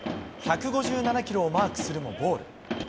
１５７キロをマークするもボール。